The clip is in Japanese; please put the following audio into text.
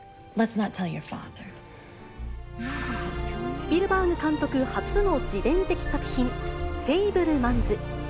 スピルバーグ監督初の自伝的作品、フェイブルマンズ。